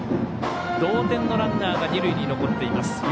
同点のランナーが二塁に残っています。